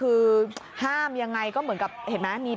ด้วยความเคารพนะคุณผู้ชมในโลกโซเชียล